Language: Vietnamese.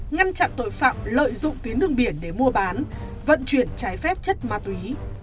ngăn chặn tội phạm lợi dụng tuyến đường biển để mua bán vận chuyển trái phép chất ma túy